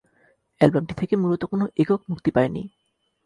অ্যালবামটি থেকে মূলত কোনো একক মুক্তি পায়নি।